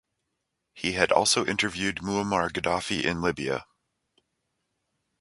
He had also interviewed Muammar Gaddafi in Libya.